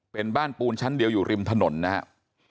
เป็นบ้านปูนชั้นเดียวอยู่ริมถนนนะครับ